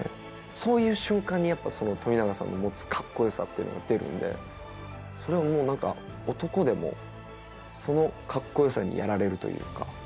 そういう瞬間にやっぱ冨永さんの持つかっこよさっていうのが出るんでそれはもうなんか男でもそのかっこよさにやられるというか。